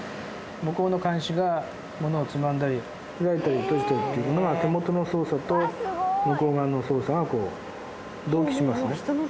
向こうの鉗子が物をつまんだり開いたり閉じたりっていうのが手元の操作と向こう側の操作が同期しますね。